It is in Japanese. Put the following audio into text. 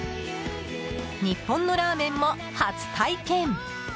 日本のラーメンも初体験。